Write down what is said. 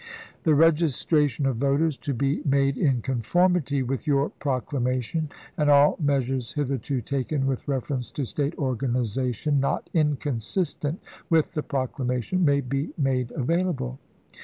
The registra tion of voters to be made in conformity with your Proclamation, and all measures hitherto taken with reference to State organization, not inconsistent with the Proclamation, may be made available.